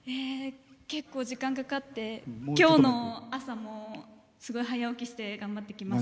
結構時間がかかってきょうの朝もすごい早起きして頑張ってきました。